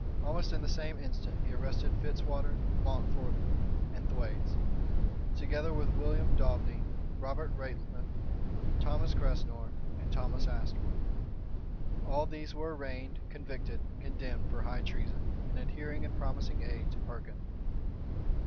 Almost in the same instant he arrested Fitzwater, Mountfort, and Thwaites, together with William Daubeney, Robert Rateliff, Thomas Cressenor, and Thomas Astwood. All these were arraigned, convicted, and condemned for high treason, in adhering and promising aid to Perkin.